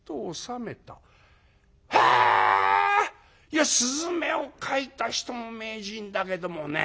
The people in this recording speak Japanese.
いや雀を描いた人も名人だけどもね